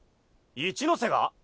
一ノ瀬が？